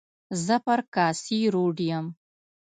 زه پر کاسي روډ یم.